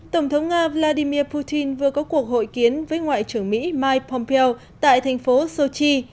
tổng thống nga vladimir putin vừa có cuộc hội kiến với ngoại trưởng mỹ mike pompeo tại thành phố sochi